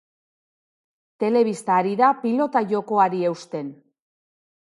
Telebista ari da pilota-jokoari eusten.